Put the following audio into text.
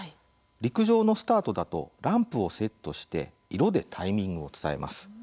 陸上のスタートだとランプをセットして色でタイミングを伝えます。